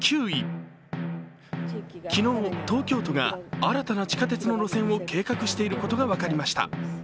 昨日、東京都が新たな地下鉄の路線を計画していることが分かりました。